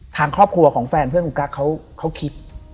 ทางครอบครัวของแฟนเพื่อนคุณกั๊กเขาคิด